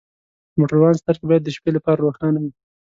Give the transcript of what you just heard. د موټروان سترګې باید د شپې لپاره روښانه وي.